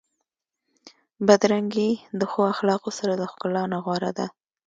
بدرنګي د ښو اخلاقو سره د ښکلا نه غوره ده.